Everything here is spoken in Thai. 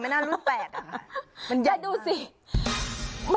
น่าจะเป็น๘๐๐ค่ะไม่น่ารุ่น๘ค่ะ